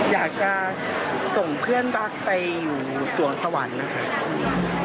อยากจะส่งเพื่อนรักไปอยู่สวงสวรรค์นะครับ